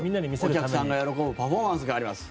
お客さんが喜ぶパフォーマンスがあります。